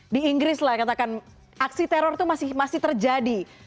di inggris lah katakan aksi teror itu masih terjadi